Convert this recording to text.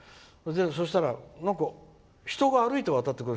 そしたら、人が歩いて渡ってくる。